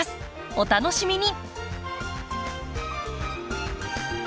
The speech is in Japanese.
お楽しみに！